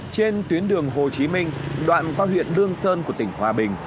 trên tuyến đường hồ chí minh đoạn qua huyện đương sơn của tỉnh hòa bình